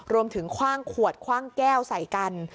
รวมถึงคว่างขวดคว่างแก้วใส่กัน